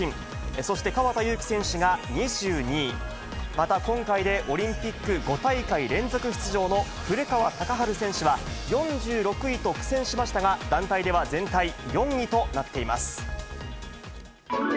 そして河田悠希選手が２２位、また今回でオリンピック５大会連続出場の古川高晴選手は４６位と苦戦しましたが、団体では全体４位となっています。